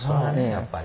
やっぱり。